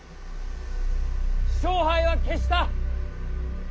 勝敗は決した！